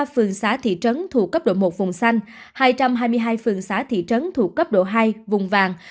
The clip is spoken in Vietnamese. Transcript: hai trăm tám mươi ba phường xã thị trấn thuộc cấp độ một vùng xanh hai trăm hai mươi hai phường xã thị trấn thuộc cấp độ hai vùng vàng